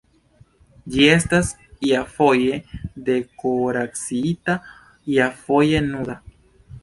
Ĝi estas iafoje dekoraciita, iafoje nuda.